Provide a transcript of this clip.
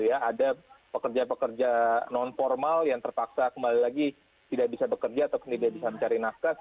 ada pekerja pekerja non formal yang terpaksa kembali lagi tidak bisa bekerja atau tidak bisa mencari nafkah